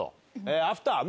アフター